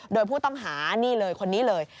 โดยผู้ต้องหานี่เลยคนนี้เลย